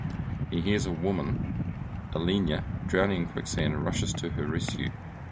He hears a woman, Elenya, drowning in quicksand and rushes to her rescue.